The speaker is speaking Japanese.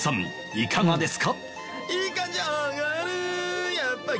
いかがですか？